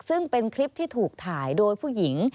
ซึ่งเป็นคลิปที่ถูกถ่ายโดยผู้หญิง